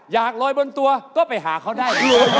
อยากลอยบนตัวก็ไปหาเขาได้